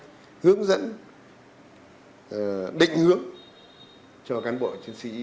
người lãnh đạo là phải hướng dẫn định hướng cho cán bộ chiến sĩ